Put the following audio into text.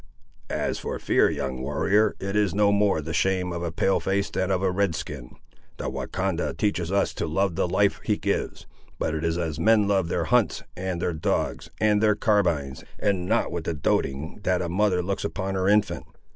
"As for fear, young warrior, it is no more the shame of a Pale face than of a Red skin. The Wahcondah teaches us to love the life he gives; but it is as men love their hunts, and their dogs, and their carabines, and not with the doting that a mother looks upon her infant.